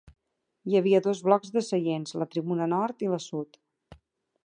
Hi havia dos blocs de seients, la Tribuna Nord i la Sud.